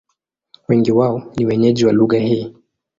Wengi wao ni wenyeji wa lugha hii.